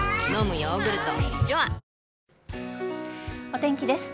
お天気です。